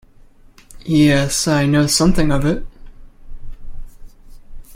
Yes, I know something of it.